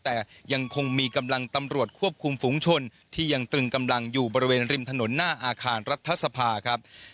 แต่ยังคงมีกำลังตำรวจควบคุมฝุงชนที่ยังตรึงกำลังอยู่บริเวณริมถนนหน้าอาคารรัฐสภาครับ